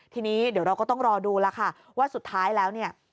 ทีนี้เดี๋ยวเราก็ต้องรอดูแล้วค่ะว่าสุดท้ายแล้วเนี่ย